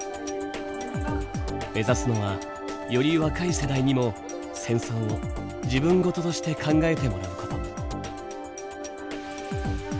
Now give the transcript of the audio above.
目指すのはより若い世代にも戦争を自分ごととして考えてもらうこと。